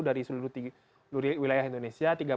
dari seluruh wilayah indonesia